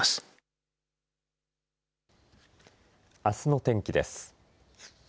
あすの天気です。